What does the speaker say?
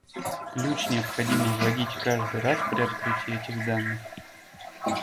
Ключ необходимо вводить каждый раз при открытии этих данных